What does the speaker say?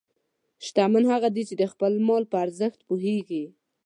شتمن هغه دی چې د خپل مال په ارزښت پوهېږي.